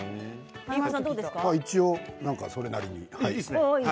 一応それなりに。